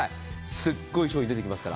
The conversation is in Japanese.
すごい商品出てきますから。